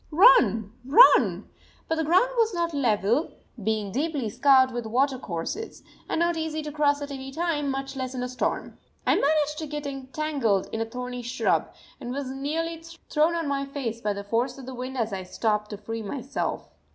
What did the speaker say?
Run! Run! But the ground was not level, being deeply scarred with watercourses, and not easy to cross at any time, much less in a storm. I managed to get entangled in a thorny shrub, and was nearly thrown on my face by the force of the wind as I stopped to free myself.